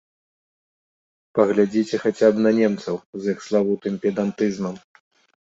Паглядзіце хаця б на немцаў з іх славутым педантызмам.